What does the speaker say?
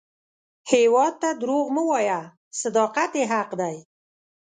هیواد ته دروغ مه وایه، صداقت یې حق دی